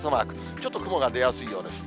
ちょっと雲が出やすいようです。